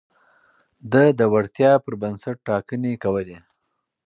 ده د وړتيا پر بنسټ ټاکنې کولې.